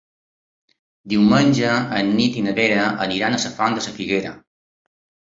Diumenge en Nil i na Vera iran a la Font de la Figuera.